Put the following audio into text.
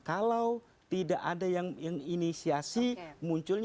ada apa yang diperlukan